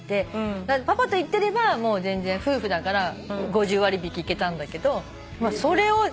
パパと行ってれば全然夫婦だから５０割引いけたんだけどそれを。